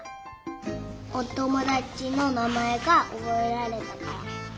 おともだちのなまえがおぼえられたから。